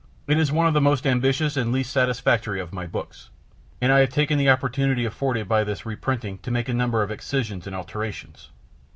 It is one of the most ambitious and least satisfactory of my books, and I have taken the opportunity afforded by this reprinting to make a number of excisions and alterations.